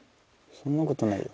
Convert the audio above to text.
そんなことないよ。